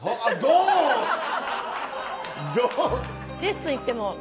レッスン行っても。